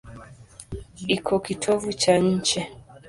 Iko kitovu cha nchi.